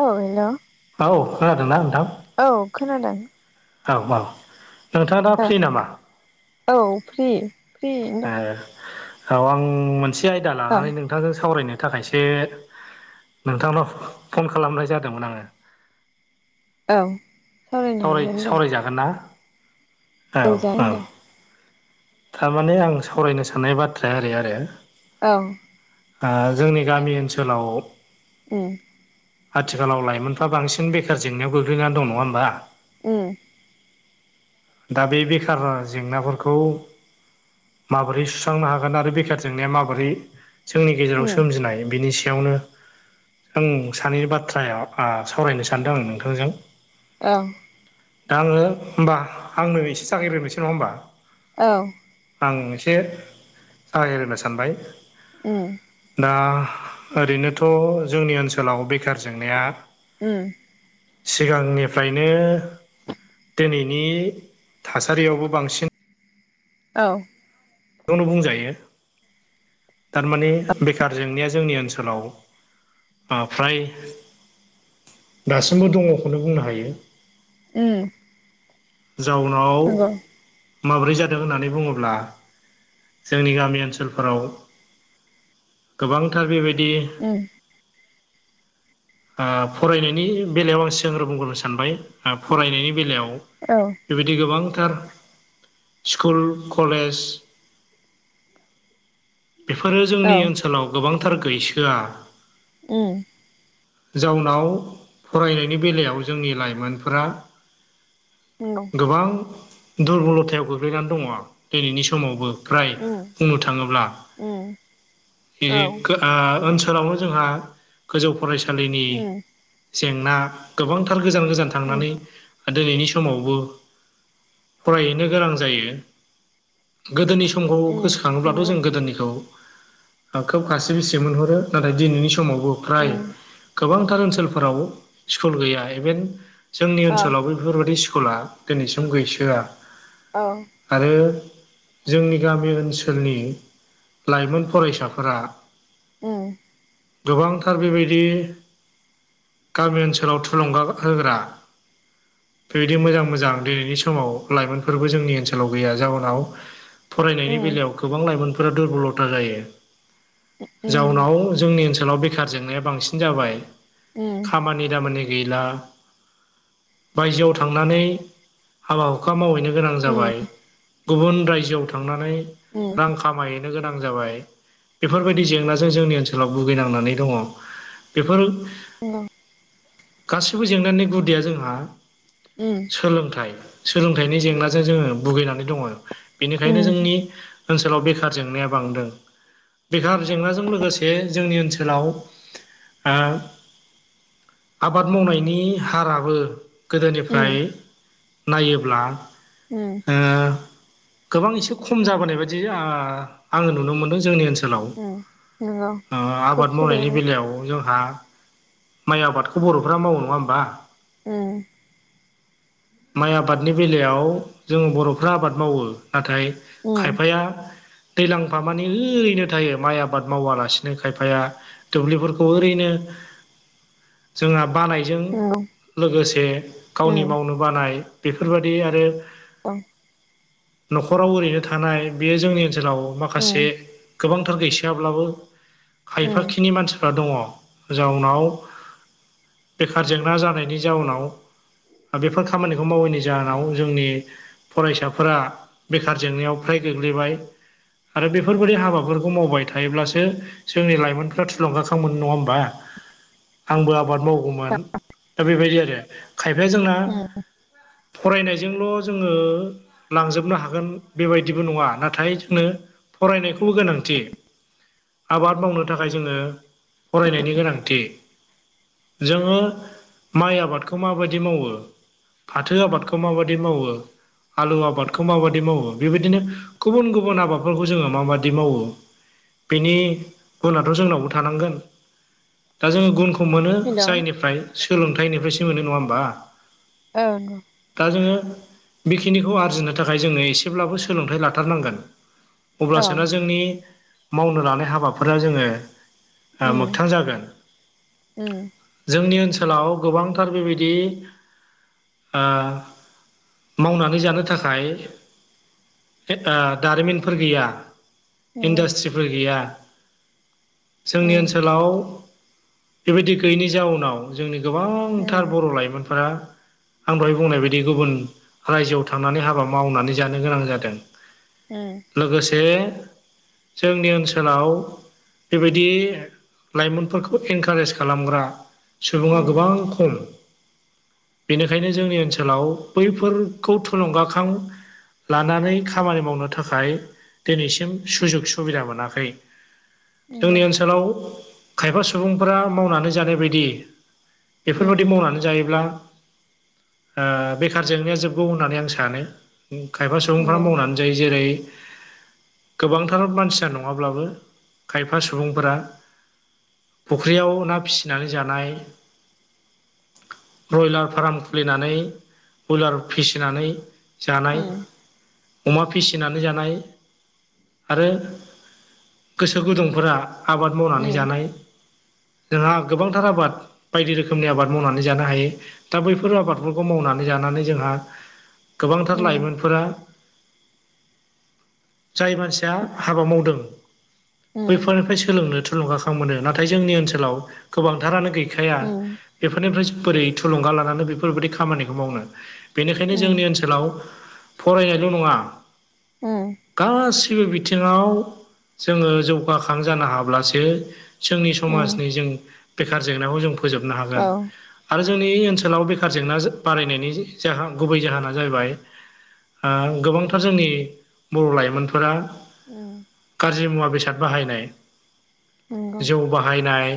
औ हेल' औ खोनादों ना नोंथां औ खोनादों औ औ नोंथाङा दा औ फ्रि नामा औ फ्रि फ्रियैनो ओ औ आं मोनसे आयदा दं लानानै नों थांजों सावरायनो थाखायसो नोंथांनाव फन खालामनाय जादोंमोन आङो औ सावरायनो सावराय हागोन दे सावरायजागोन ना औ औ जागोन दे थारमाने आं सावरायनो साननाय बाथ्राया ओरै आरो औ आ जोंनि गामि ओनसोलाव उम आथिखालाव लाइमोनफ्रा बांसिन बेखार जेंनायाव गोग्लैनानै दं नङा होमबा उम दा बे बेखार जेंनाफोरखौ माबोरै सुस्रांनो हागोन आरो बेखार जेंनाया माबोरै जोंनि गेजेराव उम सोमजिनाय बेनि सायावनो ओं सानैनि बाथ्राया सावरायनो सानदों आं नोंथांजों औ दा आङो होमबा आंनो एसे जागायग्रोनोसै नङा होनबा औ आं एसे जागायग्रोनो सानबाय उम दा ओरैनोथ' जोंनि ओनसोलाव बेखार जेंनाया उम सिगांनिफ्रायनो दिनैनि थासारियावबो बांसिन औ खौनो बुंजायो थार माने बेखार जेंनाया जोंनि ओनसोलाव फ्राय दासिमबो दङखौनो बुंनो हायो उम जाउनाव नंगौ माब्रै जादों होननानै बुङोब्ला जोंनि गामि ओनसोलफोराव गोबांथार बेबायदि उम [inaudible] फरायनायनि बेलायाव आं सांगग्रो बुंग्रोनो सानबाय फरायनायनि बेलायाव औ बेबायदि गोबांथार स्कुल कलेज बेफोरो औ जोंनि ओनसोलाव गोबांथार गैसोआ उम जाउनाव फरायनायनि बेलायाव जोंनि लाइमोनफोरा नंगौ गोबां दुरबलथायाव गोग्लैनानै दङ दिनैनि समावबो उम बुंनो थाङोब्ला उम औ बेखो आ ओनसोलावनो जोंहा गोजौ फरायसालिनि उम जेंना गोबांथार गोजान गोजान उम थांनानै दिनैनि समावबो फरायहैनो गोनां जायो गोदोनि सम समखौ उम गोसोखाङोब्लाथ' नंगौ जों गोदोनिखौ खोब खासि बिसि मोनहरो नाथाय दिनैनि सम समावबो फ्राय उम गोबांथार ओनसोलफोराव स्कुल गैया एभेन जोंनि औ ओनसोलावबो बेफोरबादि स्कुला दिनैसिम गैसोआ औ आरो जोंनि गामि ओनसोलनि लाइमोन फरायसाफोरा औ गोबांथार बेबायदि गामि ओनसोलाव थुलुंगा होग्रा बेबायदि मोजां मोजां दिनैनि समाव लाइमोनफोरबो जोंनि ओनसोलाव गैया जाहोनाव फरायनायनि उम बेलायाव गोबां लाइमोनफोरा दुरबलथा जायो नंगौ जाउनाव जोंनि ओनसोलाव बेखार जेंनाया बांसिन जाबाय उम खामानि दामानि गैला बायजोआव थांनानै हाबा हुखा मावहैनो गोनां उम जाबाय गुबुन रायजोआव थांनानै उम रां खामायहैनो गोनां जाबाय बेफोरबायदि जेंनाजों जोंनि ओनसोलाव भुगिनांनानै दङ बेफोर औ गासैबो जेंनानि गुदिया जोंहा ओम सोलोंथाइ सोलोंथाइनि जेंनाजों जोङो भुगिनानै दङ बेनिखायनो उम जोंनि ओनसोलाव बेखार जेंनाया बांदों बेखार जेंनाजों लोगोसे जोंनि ओनसोलाव आबाद मावनायनि हाराबो गोदोनिफ्राय उम नायोब्ला ओम ओ गोबां एसे खम जाबोनाय बायदि आङो नुनो मोनदों जोंनि ओनसोलाव उम नंगौ हेलौ ऐ खोब आबाद मावनायनि सोलायबाय बेलायाव जोंहा माइ आबादखौ बर'फ्रा मावो नङा होमबा ओ माइ आबादनि बेलायाव जों बर'फ्रा आबाद मावो नाथाय उम खायफाया दैलांफा मानि ओरैनो थायो माइ आबाद मावालासिनो खायफाया दुब्लिफोरखौ ओरैनो जोंहा बानाय जों नंगौ लोगोसे गावनि उम मावनो बानाय बेफोरबादि आरो अ न'खराव ओरैनो थानाय बेयो जोंनि ओनसोलाव माखासे उम गोबांथार गैसोायाब्लाबो खायफा उम खिनि मानसिफ्रा दङ जाउनाव बेखार जेंना जानायनि जाउनाव दा बेफोर खामानिखौ मावैनि जाहोनाव जोंनि फरायसाफोरा बेखार जेंनायाव फ्राय गोग्लैबाय आरो बेफोरबायदि नंगौ हाबाफोरखौ मावबाय था थायोब्लासो जोंनि लाइमोनफ्रा थुलुंगाखां मोनो नंङा होमबा आंबो आबाद मावगौमोन दा बेबायदि आरो खायफाया जोंना उम फरायनायजोंल' जोंङो लांजोबनो हा गोन बेबायदिबो नंङा नाथाय जोंनो फरायनायखौबो गोनांथि आबाद मावनो थाखाय जोंङो फरायनायनि गोनांथि जोङो माइ आबादखौ माबायदि मावो फाथो आबादखौ माबाददि मावो आलु आबादखौ माबा दि मावो बेबायदिनो गुबुन गुबुन आबादफोरखौ जोंङो माबादि मावो बेनि गुनाथ' जोंनावबो थानांगोन दा जोंङो गुन खौ मोनो हेल' औ जायनिफ्राय सोलोंथाइनिफ्रायसो मोनो नंङा होमबा औ नंगौ दा जोंङो बेखिनिखौ आरजिनो थाखाय जोंङोनो एसेब्लाबो सोलोंथाइ लाथारनांगोन औ अब्लासोना जोंनि मावनो लानाय हाबाफोरा जोंङो उम मोगथां जागोन उम जोंनि ओनसोलाव गोबांथार बेबायदि मावनानै जानो थाखाय दारिमिनफोर गैया नंगौ इडास्ट्रि गैया जोंनि उम ओनसोलाव बेबायदि गैयिनि जाउनाव जोंनि गोबांथार उम बर' लाइमोनफोरा आं दहाय बुंनाय बायदि गुबुन रायजोआव थांनानै हाबा मावनानै जानो गोनां जादों। ओ लोगोसे जोंनि ओनसोलाव बेबायदि लाइमोनफोरखौ इनकारेज खालामग्रा सुबुंङा उम गोबां खम बेनिखायनो जोंनि ओनसोलाव बैफोरखौ थुलुंगाखां लानानै खामानि मावनो थाखाय दिनैसिम सुजुग सुबिदा मोनाखै नंगौ जोंनि ओनसोलाव खायफा सुबुंफोरा मावनानै जानाय बायदि उम बेफोरबायदि मावनानै जायोब्ला बेखार जेंनाया जोबगौ होननानै आं सानो खायफा सुबुंफोरा नंगौ मावनानै जायो जेरै गोबांथार मानसिया नङाब्लाबो खायफा सुबुंफोरा फुख्रियाव ना फिसिनानै जानाय ब्रयलार फार्म खुलिनानै बयलार फिसिनानै जानाय अमा फिसिनानै जानाय आरो गोसो गुदुंफोरा आबाद मावनानै जानाय जोंहा गोबांथार आबाद बायदि रोखोमनि आबाद मावनानै जानो हायो दा बैफोर आबादफोरखौ मावनानै जानानै जोंहा गोबांथार उम लाइमोनफोर जाय मानसिया हाबा मावदों। उम बैफोरनिफ्राय सोलोंनो थुलुंगाखां मोनो नाथाय जोंनि ओनसोलाव गोबांथारानो गैया खायफाया उम बेफोरनिफ्राय बोरै थुलुंगा लानानै बेफोरबायदि खामानिखौ मावनो बेनिखायनो जोंनि उम ओनसोलाव फरायनायल' नंङा उम गासै गासैबो बिथिंङाव जोंङो जौगाखां जानो हाब्लासो जोंनि उम समाजनि जों बेखार जेंनाखौ जों फोजोबनो हागोन औ आरो जोंनि ओनसोलाव बेखार जेंना बारायनायनि जाहोन गुबै जाहोना जाहैबाय। गोबांथार जोंनि बर' लाइमोनफोरा औ गाज्रि मुवा बेसाद बाहायनाय नंगौ जौ बाहायनाय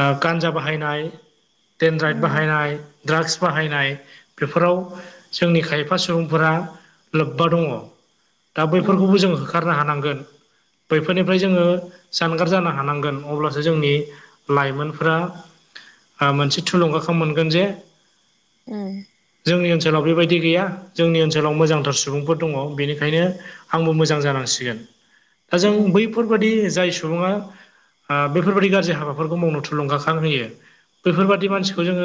ओ गान्जा बाहायनाय डेनड्राइद नंगौ बाहायनाय ड्राग्स बाहायनाय बेफोराव जोंनि खायफा सुबुंफोरा लोब्बा दङ दा उम बैफोरखौबो जों होखारनो हानांगोन बैफोरनिफ्राय जोङो जानगार जानो हानांगोन अब्लासो जोंनि लाइमोनफोरा आ मोनसे थुलुंगाखौ मोनगोन जे उम जोंनि ओनसोलाव बेबायदि गैया जोंनि ओनसोलाव मोजांथार सुबुंफोर दङ बेनिखायनो आंबो मोजां जानांसिगोन दा जों उम बैफोरबादि जाय सु सुबुङा आ बेफोरबायदि गाज्रि हाबाफोरखौ मावनो थुलुंगाखां होयो बैफोरबादि उम मानसिखौ जोङो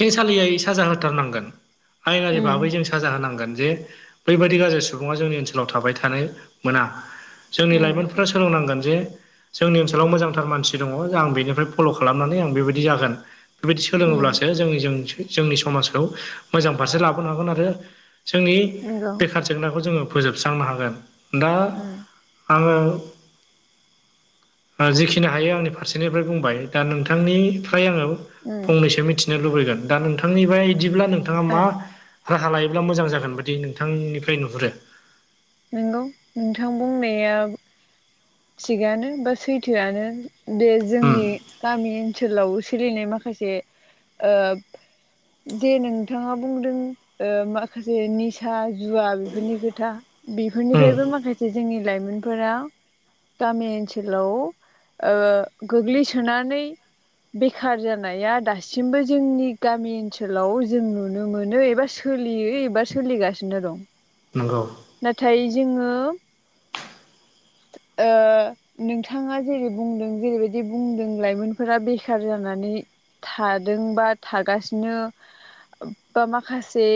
खेंसालियै साजा होथारनांगोन आयेनारि बाहाबै उम जोंसो साजा होनांगोन जे बैबादि गाज्रि सुबुङा जोंनि ओनसोलाव थाबाय थानाय मोना जोंनि लाइमोनफोरा सोलोंनांगोन जे जोंनि ओनसोलाव मोजांथार मानसि दङ आं बेनिफ्राय फल' खालामनानै आं बेबायदि जागोन बेबायदि उम सोलोङोब्लासो जों जोंनि समाजखौ मोजां फारसे लाबोनो हागोन आरो जोंनि नंगौ बेखार जेंनाखौ जोङो फोजोबस्रांनो हागोन। दा उम आङो जिखिनि हायो आंनि फारसेनिफ्राय बुंबाय दा नोंथांनिफ्राय आङो उम फंनैसो मिथिनो लुबैगोन दा नोंथांनि ब बिदिब्ला नोंथाङा औ मा राहा लायोब्ला मोजां जागोन बायदि नोंथांनिफ्राय नुहुरो? नंगौ नोंथां बुंनाया थिगानो बा सैथोआनो बे उम जोंनि गामि ओनसोलाव सोलिनाय माखासे ओ जे नोंथाङा बुंदों माखासे निसा जुवा बेफोरनि खोथा उम बेफोरनिफ्रायबो माखासे जोंनि लाइमोनफोरा गामि ओनसोलाव ओ गोग्लैसोनानै बेखार जानाया दासिमबो जोंनि गामि ओनसोलाव जों नुनो मोनो एबा सो सोलियो एबार सोलिगासिनो दं। नोंगौ। नाथाय जोङो [inaudible] ओ नोंथाङा जेरै बुंदों जेरैबायदि बुंदों लाइमोनफोरा बेखार जानानै थादोंबा थागासिनो बा माखासे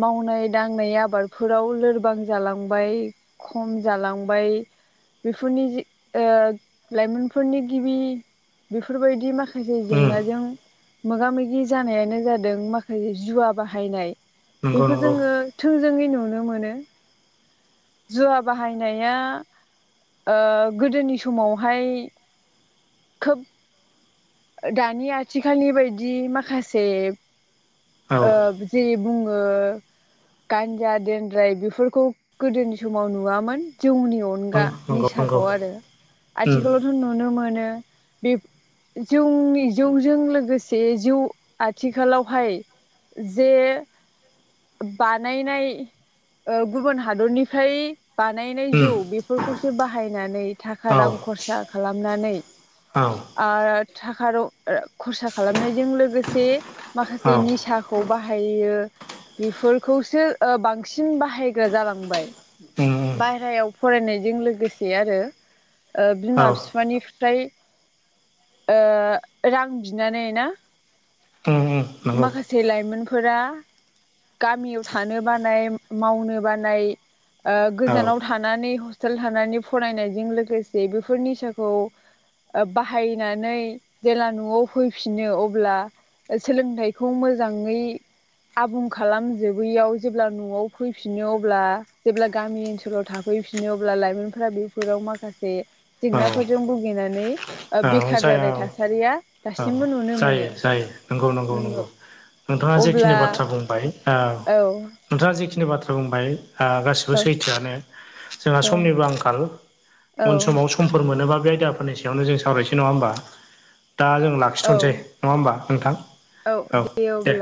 मावनाय दांनाय आबादफोराव लो लोरबां जालांबाय खम जालांबाय बेफोरनि जि ओ लाइमोनफोरनि गिबि बेफोरबायदि माखा से उम जेंनाजों मोगा मोगि जानायानो जादों माखासे जुवा बाहायनाय। नंगौ बेखौ नंगौ जोङो थोंजोङै नुनो मोनो। जुवा बाहायनाया ओ गोदोनि समावहाय खोब दानि आथिखालनि बायदि माखासे औ ओ जेरै बुङो गान्जा देेनद्राय बेफोरखौ गोदोनि समाव नुवामोन जौनि अन उम गा नंगौ नंगौ निसाखौ आरो उम आथिखालावथ' नुनो मोनो बे जौनि जौजों लोगोसे जौ आथिखालावहाय जे बानायनाय ओ गुबुन हादरनिफ्राय बानायनाय उम जौ बेफोरखौसो बाहायनानै थाखा औ रां खरसा खालामनानै औ आं थाखा रां खरसा खालामनायजों लोगोसे माखासे औ निसा खौ बाहायो बेफोरखौसो बांसिन बाहायग्रा जालांबाय। उम उम बायेरायाव फरायनायजों लोगोसे आरो ओ औ बिमा बिफानि फ्राय ओ रां बिनानै ना। ओम ओम नंगौ से लाइमोनफोरा गामियाव थानो बानाय मावनो बानाय ओ औ गोजानाव थानानै हस्टेल थानानै फरायनायजों लोगोसे बेफोर निसाखौ बाहायनानै जेला न'आव फैफिनो अब्ला सोलोंथाइखौ मोजाङै आबुं खालामजोबोैयाव जेब्ला न'आव फैफिनो अब्ला जेब्ला गामि ओनसोलाव था फैफिनो अब्ला लाइमोनफोरा बेफोराव माखासे औ जेंनाफोरजों भुगिनानै औ बेखार जाया जानाय औ थासारिया औ दासिमबो नुनो जायो मोनो जायो नंगौ नंगौ नंगौ। नोंथाङा जेखिनि अब्ला बाथ्रा बुंबाय औ नोंथाङा जेखिनि बाथ्रा बुंबाय गा औ सैथोआनो जोंहा समनि आंखालाव औ उन समाव समफोर मोनोबा बे आयदाफोरनि सायावनो जों सावरायसै नङा होमबा दा जों लाखि औ खिथ'नोसै नङा होमबा नोंथां औ दे।